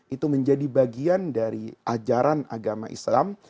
itu menjadi bagian dari ajaran agama islam